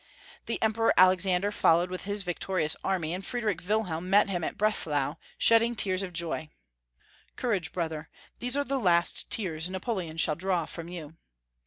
The Emperor Alexander followed with his victorious army, and 448 Young Folka^ History of Germany. Friedrich Wilhelm met him at Breslau, shedding tears of joy. " Courage, brother, these are the last tears Napoleon shall draw from you."